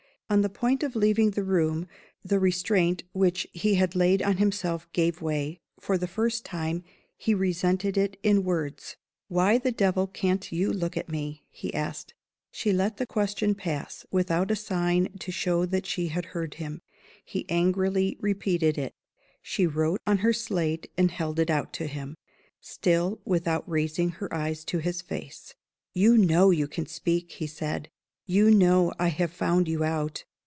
On the point of leaving the room the restraint which he had laid on himself gave way. For the first time, he resented it in words. "Why the devil can't you look at me?" he asked She let the question pass, without a sign to show that she had heard him. He angrily repeated it. She wrote on her slate, and held it out to him still without raising her eyes to his face. "You know you can speak," he said. "You know I have found you out.